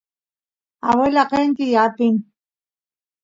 aguelay qenti apin